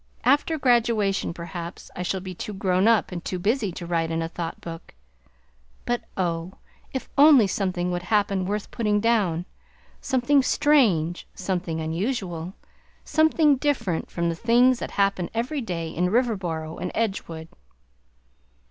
After graduation perhaps I shall be too grown up and too busy to write in a Thought Book; but oh, if only something would happen worth putting down; something strange; something unusual; something different from the things that happen every day in Riverboro and Edgewood!